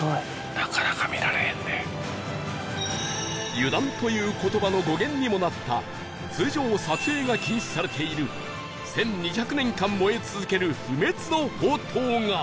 「油断」という言葉の語源にもなった通常撮影が禁止されている１２００年間燃え続ける不滅の法灯が